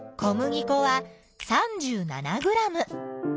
小麦粉は３７ｇ。